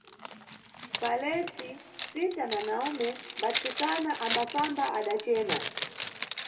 Falesi, Sinta na Nawume mbatsikana ambafamba adacena.